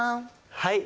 はい。